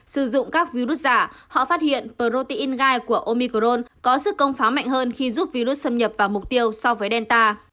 sử dụng các virus giả họ phát hiện protein gai của omicron có sức công phá mạnh hơn khi giúp virus xâm nhập vào mục tiêu so với delta